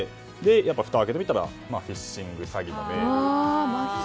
やっぱりふたを開けてみたらフィッシング詐欺だったと。